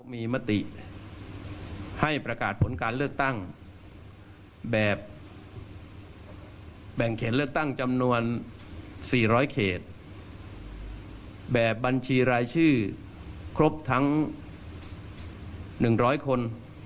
มีมติให้ประกาศผลการเลือกตั้งแบบแบ่งเขตเลือกตั้งจำนวน๔๐๐เขตแบบบัญชีรายชื่อครบทั้ง๑๐๐คน